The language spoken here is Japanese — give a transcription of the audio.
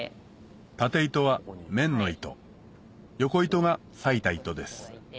縦糸は綿の糸横糸が裂いた糸です